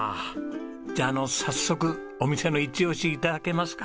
じゃああの早速お店のイチオシ頂けますか？